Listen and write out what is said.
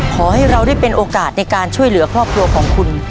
ขอให้เราได้เป็นโอกาสในการช่วยเหลือครอบครัวของคุณ